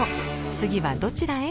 次はどちらへ？